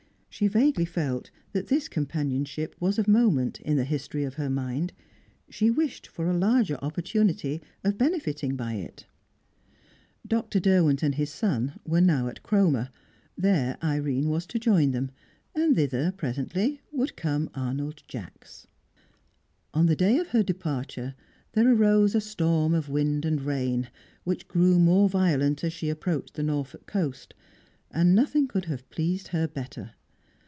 She vaguely felt that this companionship was of moment in the history of her mind; she wished for a larger opportunity of benefiting by it. Dr. Derwent and his son were now at Cromer; there Irene was to join them; and thither, presently, would come Arnold Jacks. On the day of her departure there arose a storm of wind and rain, which grew more violent as she approached the Norfolk coast; and nothing could have pleased her better.